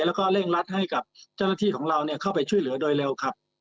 แล้วก็เร่งรัดให้กับเจ้าหน้าที่ของเราเข้าไปช่วยเหลือโดยเร็วครับ